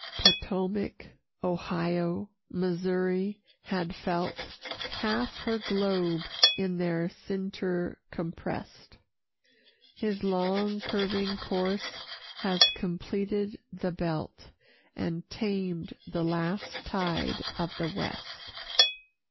Potowmak, Ohio, Missouri had felt Half her globe in their cincture comprest; His long curving course has completed the belt, And tamed the last tide of the west.